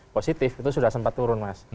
positif itu sudah sempat turun mas